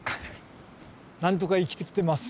なんとか生きてきてます。